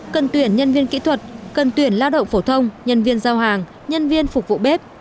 cần tuyển nhân viên kỹ thuật cần tuyển lao động phổ thông nhân viên giao hàng nhân viên phục vụ bếp